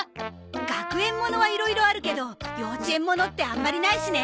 学園ものはいろいろあるけど幼稚園ものってあんまりないしね。